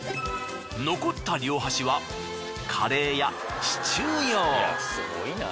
残った両端はカレーやシチュー用。